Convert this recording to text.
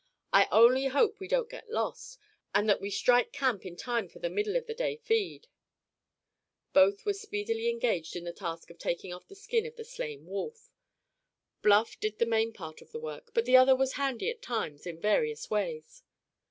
I only hope we don't get lost, and that we strike camp in time for the middle of the day feed." Both were speedily engaged in the task of taking off the skin of the slain wolf. Bluff did the main part of the work, but the other was handy at times in various ways.